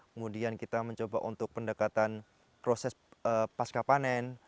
kemudian kita mencoba untuk pendekatan proses pasca panen